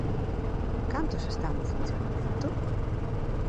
¿Cantos están en funcionamento?